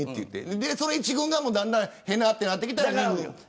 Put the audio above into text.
１軍がだんだんへな、ってなってきたら。